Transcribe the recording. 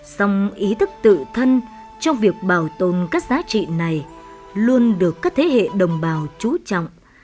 song ý thức tự thân trong việc bảo tồn các giá trị này luôn được các thế hệ đồng bào trú trọng